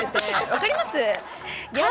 分かります？